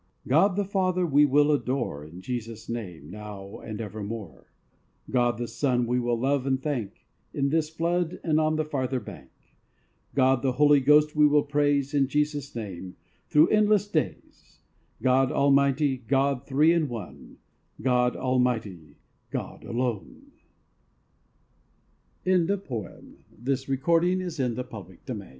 God the Father we will adore, In Jesus' Name, now and evermore: God the Son we will love and thank In this flood and on the farther bank: God the Holy Ghost we will praise, In Jesus' Name, through endless days: God Almighty, God Three in One, God Almighty, God alone. AFTER THIS THE JUDGMENT. As eager home bound traveller to the goal, O